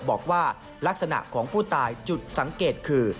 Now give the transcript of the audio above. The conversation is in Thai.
บอกว่าลักษณะของผู้ตายจุดสังเกตคือ